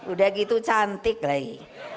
udah gitu cantik lagi